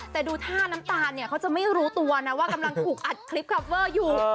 แต่ดูท่าน้ำตาลเนี่ยเขาจะไม่รู้ตัวนะว่ากำลังถูกอัดคลิปคลับเวอร์อยู่